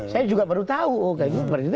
saya juga baru tahu oh kayak gitu